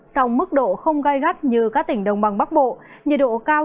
sau mức độ không gai gắt như các tỉnh đông bắc bộ